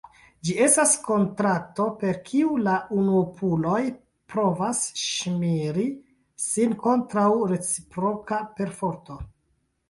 Ĝi estas kontrakto, per kiu la unuopuloj provas ŝirmi sin kontraŭ reciproka perforto.